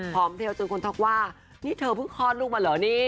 พร้อมเที่ยวจนคนทำว่านี่เธอเพิ่งคลอดลูกมาเหรอนี่